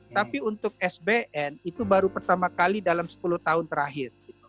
tapi untuk sbn itu baru pertama kali dalam sepuluh tahun terakhir